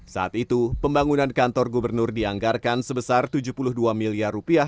saat itu pembangunan kantor gubernur dianggarkan sebesar rp tujuh puluh dua miliar